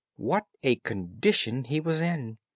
What a condition he was in!